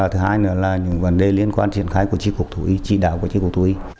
thứ hai là những vấn đề liên quan triển khai của trị cuộc thú y